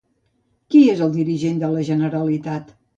Qui és el dirigent de la Generalitat?